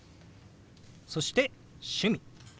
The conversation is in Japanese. そして「趣味」。